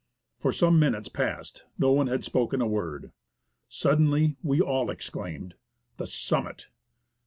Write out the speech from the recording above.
For some minutes past no one had spoken a word. Suddenly we all exclaimed: "The summit!"